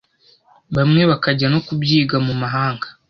bamwe bakajya no kubyiga mu mahanga